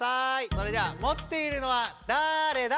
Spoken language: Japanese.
それじゃあ持っているのはだれだ。